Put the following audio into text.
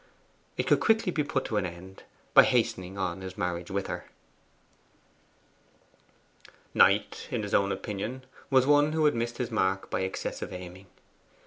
It could quickly be put an end to by hastening on his marriage with her. Knight, in his own opinion, was one who had missed his mark by excessive aiming.